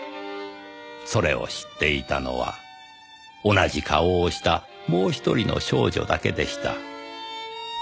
それを知っていたのは同じ顔をしたもう１人の少女だけでした。